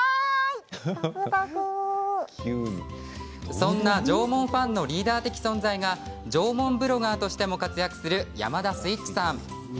そんな縄文ファンのリーダー的存在が縄文ブロガーとしても活躍する山田スイッチさん。